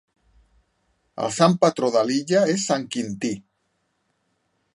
El sant patró de l'illa es Sant Quintí.